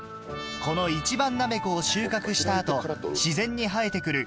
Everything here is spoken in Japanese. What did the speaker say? この１番なめこを収穫した後自然に生えて来る